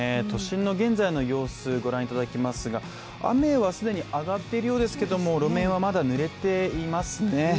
都心の現在の様子をご覧いただきますが、雨は既に上がっているようですけども路面はまだ濡れています